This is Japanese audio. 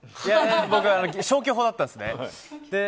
僕、消去法だったんですね。